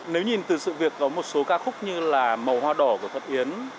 nếu nhìn từ sự việc có một số ca khúc như là màu hoa đỏ của phật yến